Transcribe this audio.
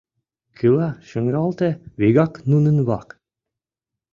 Кӱла шуҥгалте вигак нунын вак.